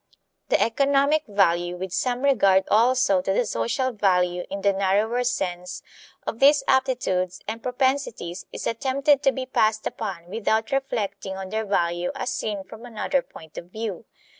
The economic value with some regard also to the social value in the narrower sense of these aptitudes and propensities is attempted to be passed upon without reflecting on their value as seen from another point of view.